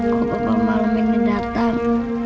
kok papa malam ini datang